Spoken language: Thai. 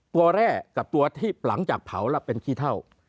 แร่กับตัวที่หลังจากเผาแล้วเป็นขี้เท่า